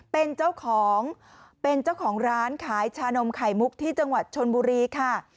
เป็นเจ้าของเป็นเจ้าของร้านขายชานมไข่มุกที่จังหวัดชนบุรีค่ะ